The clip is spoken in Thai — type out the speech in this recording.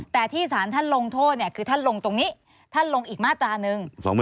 แต่ที่สารท่านลงโทษคือท่านลงตรงนี้ท่านลงอีกมาตราหนึ่ง